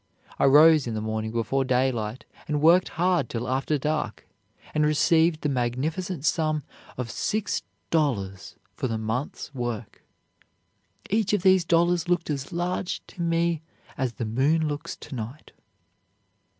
I rose in the morning before daylight and worked hard till after dark, and received the magnificent sum of six dollars for the month's work! Each of these dollars looked as large to me as the moon looks to night."